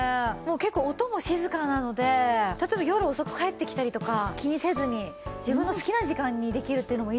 結構音も静かなので例えば夜遅く帰ってきたりとか気にせずに自分の好きな時間にできるっていうのもいいですよね。